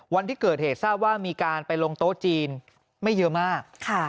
วันที่เกิดเหตุทราบว่ามีการไปลงโต๊ะจีนไม่เยอะมาก